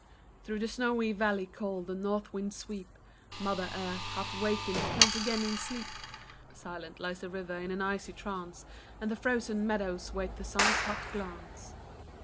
Through the snowy valley cold the north winds sweep ; Mother earth, half wakened, turns again to sleep ; Silent lies the river in an icy trance, And the frozen meadows wait the sun's hot glance.